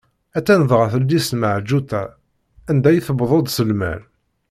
A-tt-an dɣa yelli-s Meɛǧuṭa anda i d-tewweḍ s lmal.